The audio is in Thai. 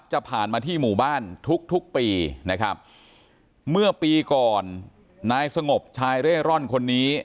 จะผ่านมาที่หมู่บ้านทุกทุกปีนะครับเมื่อปีก่อนนายสงบชายเร่ร่อนคนนี้